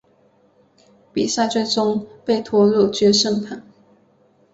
比赛最终被拖入决胜盘。